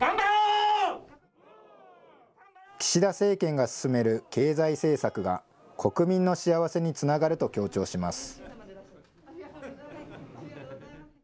岸田政権が進める経済政策が、国民の幸せにつながると強調します。